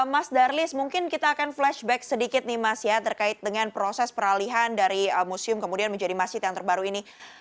mas darlis mungkin kita akan flashback sedikit nih mas ya terkait dengan proses peralihan dari museum kemudian menjadi masjid yang terbaru ini